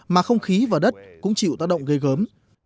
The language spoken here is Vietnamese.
mà không khí và đất cũng chịu tác động gây gớm